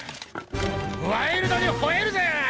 ワイルドに吠えるぜぇー！